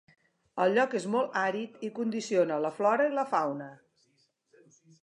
El lloc és molt àrid i condiciona la flora i la fauna.